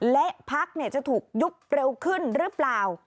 และพักจะถูกยุบเร็วขึ้นหรือเปล่า